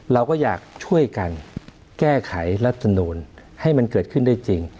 เราก็อยากช่วยกันแก้ไขรัฐมนูลให้มันเกิดขึ้นได้จริง